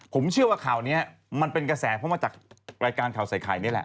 ผมเชื่อว่าข่าวนี้มันเป็นกระแสเพราะมาจากรายการข่าวใส่ไข่นี่แหละ